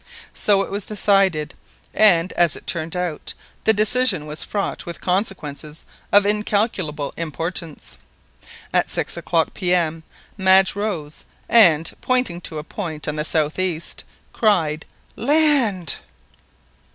So it was decided, and, as it turned out, the decision was fraught with consequences of incalculable importance. At six o'clock P.M. Madge rose, and pointing to a point on the south east, cried— "Land!"